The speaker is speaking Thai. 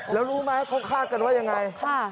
แล้วรู้ไหมเขาคาดกันว่ายังไง